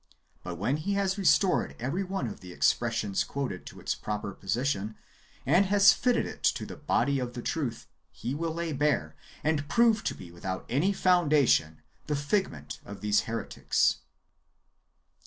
But when he has restored every one of the expressions quoted to its proper position, and has fitted it to the body of the truth, he will lay bare, and prove to be without any foundation, the figment of these heretics.